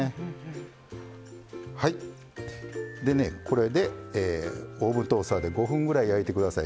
これでオーブントースターで５分ぐらい焼いて下さい。